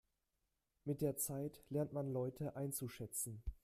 Mit der Zeit lernt man Leute einzuschätzen.